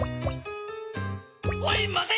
おい待て！